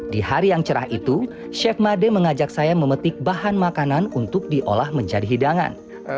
di hari yang cerah itu chef made mengajak saya memetik bahan makanan untuk diolah menjadi hidangan